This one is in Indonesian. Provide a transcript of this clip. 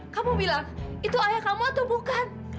kamu bilang itu ayah kamu atau bukan